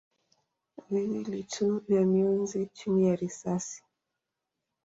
viwili tu vya mionzi chini ya risasi.